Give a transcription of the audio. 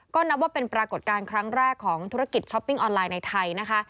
ก็นับว่าเป็นปรากฏการณ์ครั้งแรกของธุรกิจช้อปปิ้งออนไลน์ในไทยนะคะ